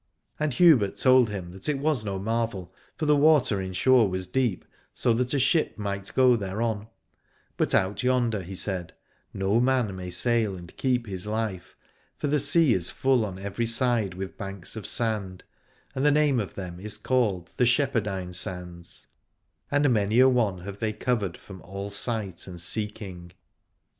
And Hubert told him that it was no marvel, for the water inshore was deep, so that a ship might go thereon : but out yonder, he said, no man may sail and keep his life, for the sea is full on every side with banks of sand, and the name of them is called the Shepherdine Sands, and many a one have they covered from all sight and seeking.